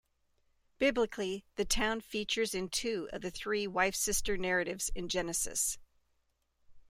Biblically, the town features in two of the three Wife-sister narratives in Genesis.